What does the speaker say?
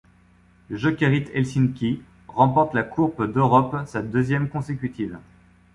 Le Jokerit Helsinki remporte la Coupe d'Europe, sa deuxième consécutive.